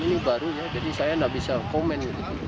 ini baru ya jadi saya nggak bisa komen